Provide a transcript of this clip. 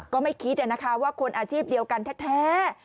ก็ไม่คิดว่าคนอาชีพเดียวกันแท้